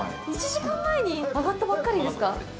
１時間前に揚がったばっかりですか。